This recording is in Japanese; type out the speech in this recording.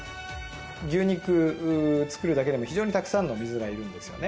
牛肉を作るだけでも非常にたくさんの水がいるんですよね。